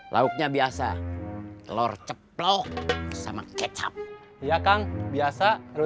lauknya biasa telur ceplok sama kecap ya kang biasa